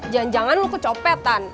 jangan jangan lo kecopetan